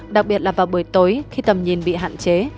đặc biệt là vào buổi tối khi tầm nhìn bị hạn chế